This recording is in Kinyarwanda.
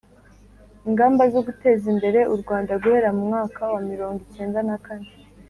ingamba zo guteza imbere u rwanda guhera mu mwaka wa mirongo icyenda na kane